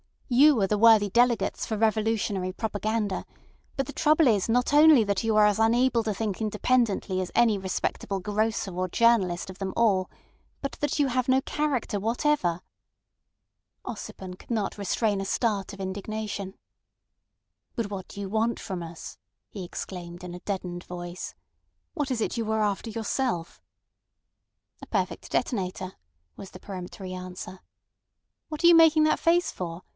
You are the worthy delegates for revolutionary propaganda, but the trouble is not only that you are as unable to think independently as any respectable grocer or journalist of them all, but that you have no character whatever." Ossipon could not restrain a start of indignation. "But what do you want from us?" he exclaimed in a deadened voice. "What is it you are after yourself?" "A perfect detonator," was the peremptory answer. "What are you making that face for?